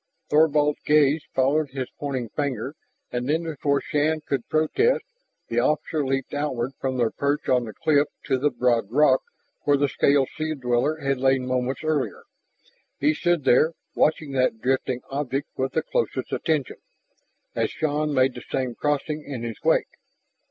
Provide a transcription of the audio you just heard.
Thorvald's gaze followed his pointing finger and then before Shann could protest, the officer leaped outward from their perch on the cliff to the broad rock where the scaled sea dweller had lain moments earlier. He stood there, watching that drifting object with the closest attention, as Shann made the same crossing in his wake.